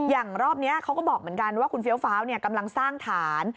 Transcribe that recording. รอบนี้เขาก็บอกเหมือนกันว่าคุณเฟี้ยวฟ้าวกำลังสร้างฐาน